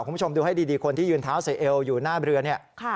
คุณผู้ชมดูให้ดีคนที่ยืนเท้าใส่เอวอยู่หน้าเรือเนี่ย